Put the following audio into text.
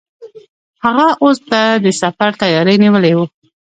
هغه اس ته د سفر تیاری نیولی و.